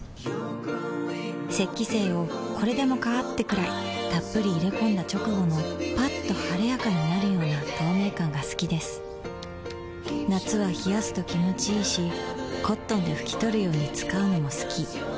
雪肌精をこれでもかーってくらいっぷり入れ込んだ直後のッと晴れやかになるような透明感が好きです夏は冷やすと気持ちいいし灰奪肇で拭き取るように使うのも好き